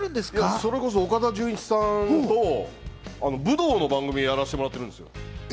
それこそ岡田准一さんと武道の番組をやらせてもらってるんです。